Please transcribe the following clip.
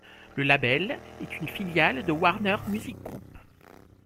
Le label est une filiale de Warner Music Group.